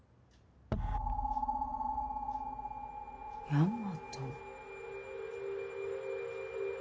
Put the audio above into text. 大和。